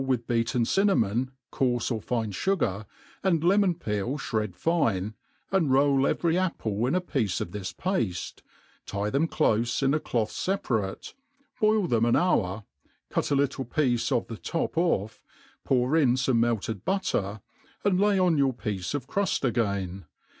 with beaten dhnamon^ coarfe or fine fugar, and lemon^peci ihred fine, and roll every apple in a piece of this pafte, tie them elofe in a cloth feparate, boil them an hour, cut a little piece of the top.oif', pour in fome melted butter, and lay on yoiir piece of cruft again.